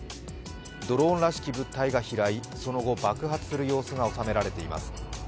ドローンらしき物体が飛来その後、爆発する様子が収められています。